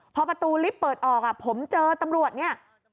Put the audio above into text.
พอประตูลิฟต์เปิดออกผมเจอตำรวจเนี่ย